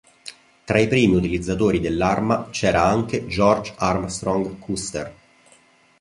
Tra i primi utilizzatori dell'arma c'era anche George Armstrong Custer.